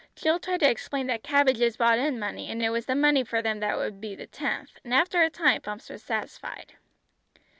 Jill tried to explain that cabbages brought in money, and it was the money for them that would be the tenth and after a time Bumps was satisfied.